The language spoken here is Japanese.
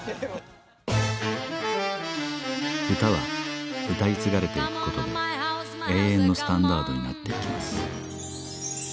歌は歌い継がれていくことで永遠のスタンダードになっていきます